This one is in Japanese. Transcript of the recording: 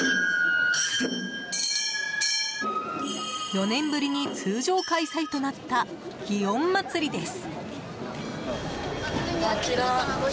４年ぶりに通常開催となった祇園祭です。